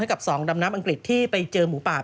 กับสองดำน้ำอังกฤษที่ไปเจอหมูป่า